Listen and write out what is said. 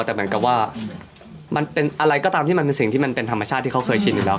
แต่เหมือนกับว่ามันเป็นอะไรก็ตามที่มันเป็นสิ่งที่มันเป็นธรรมชาติที่เขาเคยชินอยู่แล้ว